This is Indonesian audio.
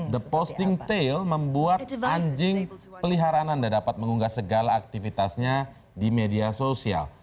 the posting tail membuat anjing peliharaan anda dapat mengunggah segala aktivitasnya di media sosial